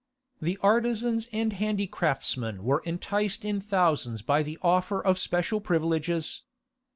The artizans and handicraftsmen were enticed in thousands by the offer of special privileges.